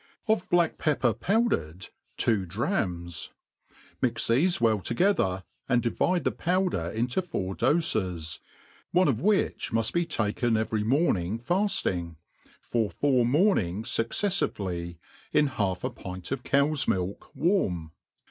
Of black pepper powdered, two drachms Mix thefe well together, and divide the powder into four dofe^ one of which muft be taken every morning failing, for four mornings fucceffivelyi in half a pint of cow's milk warm.